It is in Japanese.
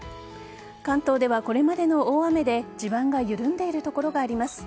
関東では、これまでの大雨で地盤が緩んでいる所があります。